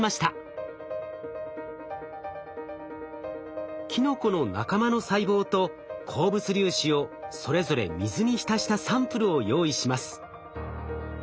そこで牧さんはキノコの仲間の細胞と鉱物粒子をそれぞれ水に浸したサンプルを用意します。